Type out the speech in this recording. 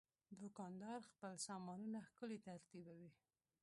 دوکاندار خپل سامانونه ښکلي ترتیبوي.